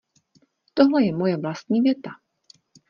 Tohle je moje vlastní věta.